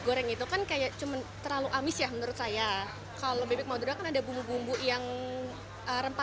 goreng itu kan kayak cuman terlalu amis ya menurut saya kalau bebek madura kan ada bumbu bumbu yang rempah